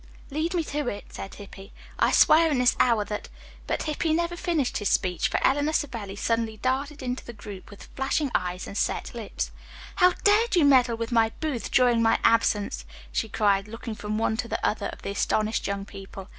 "Lead me to it," said Hippy. "I swear in this hour that " But Hippy never finished his speech, for Eleanor Savelli suddenly darted into the group with flashing eyes and set lips. "How dared you meddle with my booth during my absence!" she cried, looking from one to the other of the astonished young people.